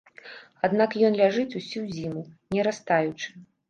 Аднак ён ляжыць усю зіму, не растаючы.